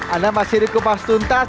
anda masih di kupas tuntas